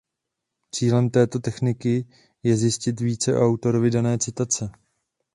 Cílem této techniky je zjistit více o autorovi dané citace.